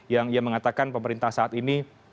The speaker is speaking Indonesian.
yang ia mengatakan pemerintah saat ini